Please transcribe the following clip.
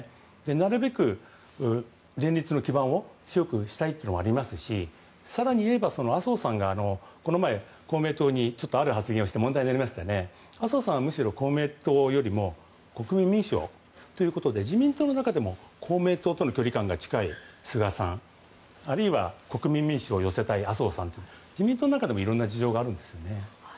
なるべく連立の基盤を強くしたいというのがありますし更にいえば、麻生さんがこの前、公明党にある発言をして麻生さんは、むしろ公明党よりも国民民主をということで自民党の中でも公明党との距離感が近い菅さん、あるいは国民民主を寄せたい麻生さん自民党の中でもいろいろな事情があるんですね。